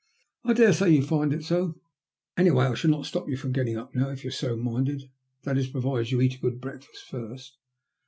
*' I daresay you find it so. Anyway, I'll not stop you from getting up now, if you're so minded ; that is'provided you eat a good breakfast first."